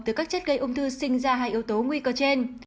từ các chất gây ung thư sinh ra hai yếu tố nguy cơ trên